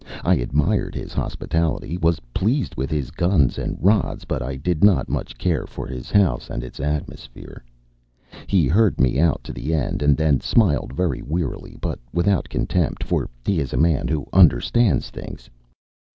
I admired his hospitality, was pleased with his guns and rods, but I did not much care for his house and its atmosphere. He heard me out to the end, and then smiled very wearily, but without contempt, for he is a man who understands things.